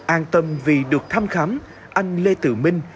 an tâm vì được thăm khám anh lê tự minh